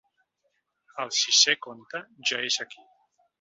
El sisè conte ja és aquí!